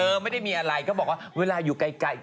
ไม่ได้มีอะไรก็บอกว่าเวลาอยู่ไกล